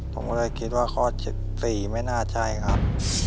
ผมเลยคิดว่าข้อสิบสี่ไม่น่าใช่ครับ